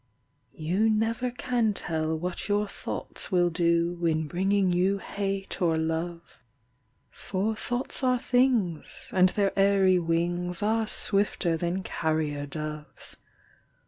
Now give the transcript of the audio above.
You never can tell what your thoughts will do, In bringing you hate or love; For thoughts are things, and their airy wings Are swifter than carrier doves.